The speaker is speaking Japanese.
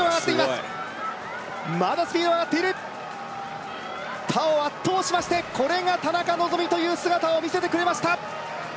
すごいまだスピードが上がっている他を圧倒しましてこれが田中希実という姿を見せてくれました